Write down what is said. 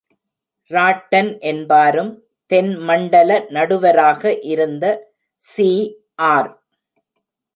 Rotten என்பாரும், தென்மண்டல நடுவராக இருந்த சி, ஆர்.